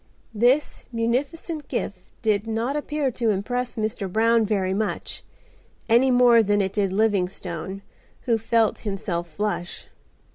This munificent gift did not appear to impress Mr. Brown very much, any more than it did Livingstone, who felt himself flush.